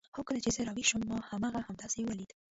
هو کله چې زه راویښه شوم ما هغه همداسې ولید.